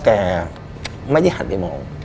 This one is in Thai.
แกไม่ได้หันไปมอง